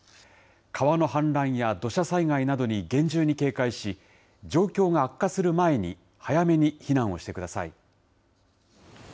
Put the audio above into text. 川の氾濫や土砂災害などに厳重に警戒し、状況が悪化する前に早めに避難をしてください。